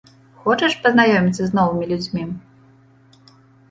Хочаш пазнаёміцца з новымі людзьмі?